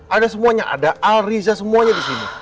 ada semuanya ada al riza semuanya disini